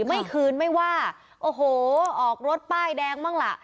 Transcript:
ไม่คืนไม่ว่าโอ้โหออกรถป้ายแดงบ้างล่ะ